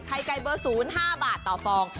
ไข่ไก่เบอร์๐๕บาทต่อฟอง